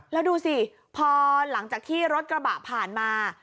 แล้วดูสิพอหลังจากที่รถกระบะผ่านมา